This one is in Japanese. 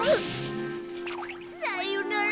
さよなら。